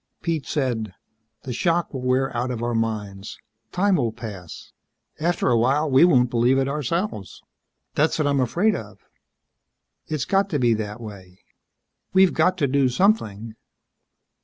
Pete said, "The shock will wear out of our minds. Time will pass. After a while, we won't believe it ourselves." "That's what I'm afraid of." "It's got to be that way." "We've got to do something."